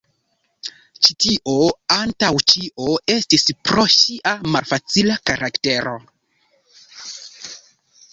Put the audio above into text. Ĉi tio antaŭ ĉio estis pro ŝia malfacila karaktero.